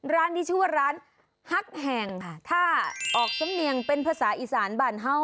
ร้านนี้ชื่อว่าร้านฮักแห่งค่ะถ้าออกสำเนียงเป็นภาษาอีสานบ้านเฮ่า